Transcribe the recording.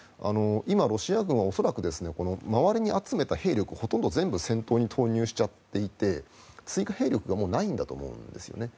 今、ロシア軍は恐らく回りに集めた兵力ほとんど全部戦闘に投入していちゃって追加兵力がもうないんだと思うんです。